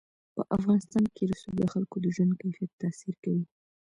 په افغانستان کې رسوب د خلکو د ژوند کیفیت تاثیر کوي.